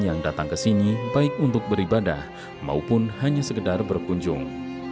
yang datang ke sini baik untuk beribadah maupun hanya sekedar berkunjung